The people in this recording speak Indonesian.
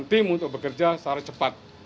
tim untuk bekerja secara cepat